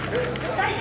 「大臣！